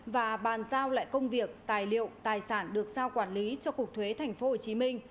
và bàn giao lại công việc tài liệu tài sản được giao quản lý cho cục thuế tp hcm